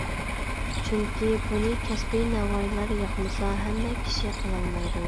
چۈنكى بۇنى كەسپىي ناۋايلار ياقمىسا ھەممە كىشى قىلالمايدۇ.